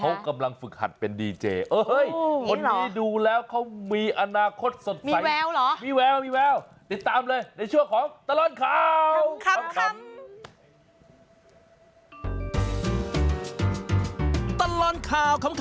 เค้ากำลังฝึกหัดเป็นดีเจเห้ยคนนี้ดูแล้วเค้ามีอนาคตสดใจ